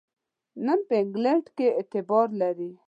نن په انګلینډ کې اعتبار لري.